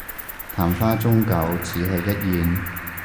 曇花終究只係一現